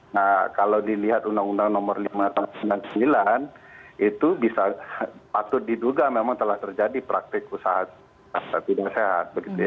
nah kalau dilihat undang undang nomor lima atau sembilan itu bisa patut diduga memang telah terjadi praktik usaha tidak sehat